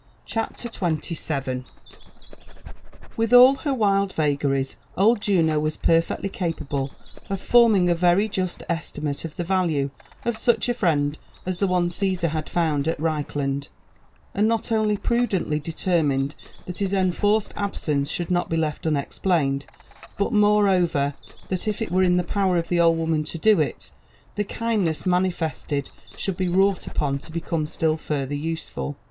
CHAPTER XXVIL With all her wild vagaries, old Juno was perfectly capable of form ing a very just estimate of the value of such a friend as the one Caesar bad found at Reichland; and not only prudently determined that his enforced absence should not be left unexplained, but moreoyer, that if it were in the power of an old woman to do it, the kindness mani fested should be wrought upon, to become still further useful.